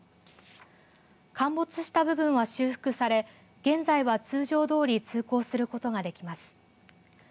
陥没した部分は修復され現在は通常どおり通行することができます。